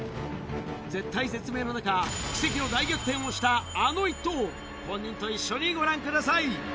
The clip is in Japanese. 絶体絶命の中、奇跡の大逆転をした、あの一投を、本人と一緒にご覧ください。